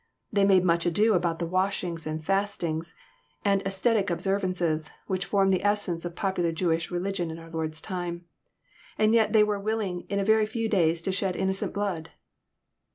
They made much ado about the washings, and fastings, and ascetic observances, which formed the essence of popular Jewish religion in our Lord's time; and yet they were willing in a very few days to shed innocent blood.